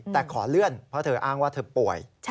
แต่ขอเลื่อนเพราะเธออ้างว่าเธอป่วย